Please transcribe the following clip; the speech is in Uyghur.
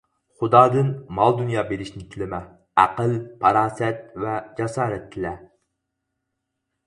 خۇدادىن مال-دۇنيا بېرىشنى تىلىمە، ئەقىل-پاراسەت ۋە جاسارەت تىلە.